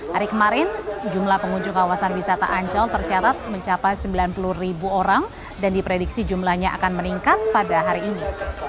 hari kemarin jumlah pengunjung kawasan wisata ancol tercatat mencapai sembilan puluh ribu orang dan diprediksi jumlahnya akan meningkat pada hari ini